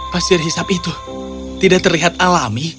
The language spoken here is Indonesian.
pasir hisap itu tidak terlihat alami